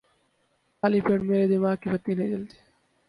خالی پیٹ میرے دماغ کی بتی نہیں جلتی